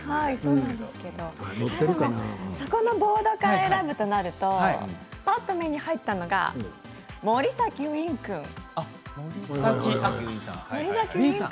そこのボードから選ぶとなるとぱっと目に入ったのが森崎ウィン君。